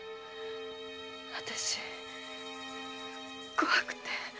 私怖くて。